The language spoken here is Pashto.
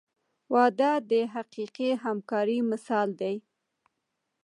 • واده د حقیقي همکارۍ مثال دی.